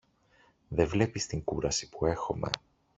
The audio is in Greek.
Δε βλέπεις την κούραση που έχομε.